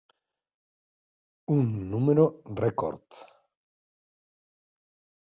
Un número rècord.